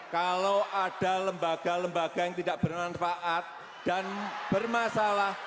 kalau ada lembaga lembaga yang tidak bermanfaat dan bermasalah